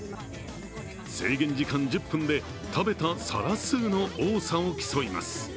制限時間１０分で、食べた皿数の多さを競います。